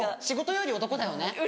仕事より男だよね！